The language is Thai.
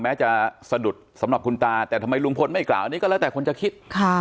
แม้จะสะดุดสำหรับคุณตาแต่ทำไมลุงพลไม่กล่าวอันนี้ก็แล้วแต่คนจะคิด